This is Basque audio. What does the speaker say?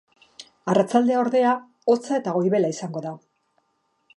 Arratsaldea, ordea, hotza eta goibela izango da.